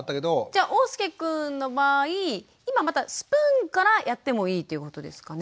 じゃおうすけくんの場合今またスプーンからやってもいいっていうことですかね？